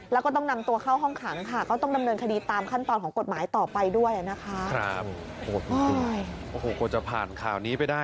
แล้วก็ต้องนำตัวเข้าห้องขังค่ะก็ต้องดำเนินคดีตามขั้นตอนของกฎหมายต่อไปด้วยนะคะ